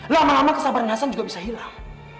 lama lama kesabaran hasan juga bisa hilang